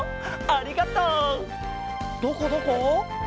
ありがとう！どこどこ？